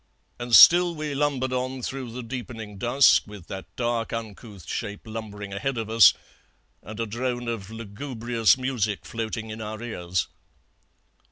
And still we lumbered on through the deepening dusk, with that dark uncouth shape lumbering ahead of us, and a drone of lugubrious music floating in our ears.